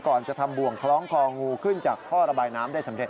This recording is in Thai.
ก่อนจะทำบ่วงคล้องคองูขึ้นจากท่อระบายน้ำได้สำเร็